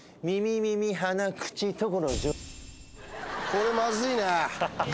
これまずいな。